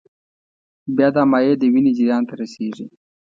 بیا دا مایع د وینې جریان ته رسېږي.